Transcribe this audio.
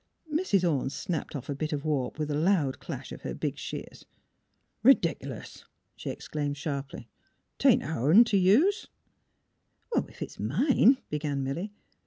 " Mrs. Orne snipped off a bit of warp with a loud clash of her big shears. Redic'lous," she exclaimed, sharply. " 'Tain't ourn t' use." *' If it's mine " began Milly.